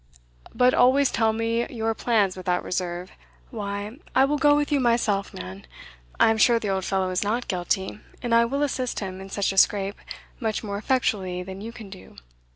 But always tell me your plans without reserve, why, I will go with you myself, man. I am sure the old fellow is not guilty, and I will assist him in such a scrape much more effectually than you can do.